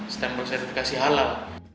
stemplow sertifikasi halal